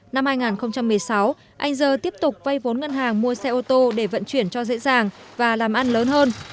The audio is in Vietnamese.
năm hai nghìn một mươi sáu anh dơ tiếp tục vay vốn ngân hàng mua xe ô tô để vận chuyển cho dễ dàng và làm ăn lớn hơn